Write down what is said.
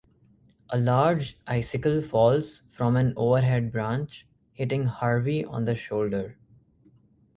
A large icicle falls from an overhead branch, hitting Harvey on the shoulder.